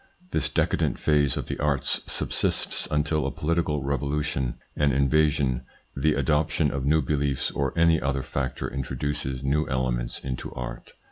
This decadent phase of the arts subsists until a political revolution, an invasion, the adoption of new beliefs or any other factor introduces new elements into art.